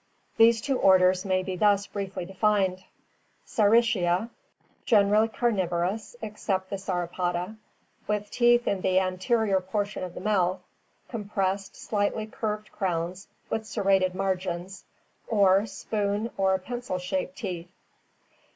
These two orders may be thus briefly defined : Saurischia: Generally carnivorous, except the Sauropoda, with teeth in the anterior portion of the mouth; compressed, slightly curved crowns with serrated margins, or spoon or pencil shaped teeth.